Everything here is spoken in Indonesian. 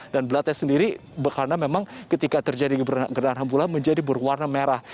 dan belatnya sendiri karena memang ketika terjadi gerhana bulan menjadi berwarna merah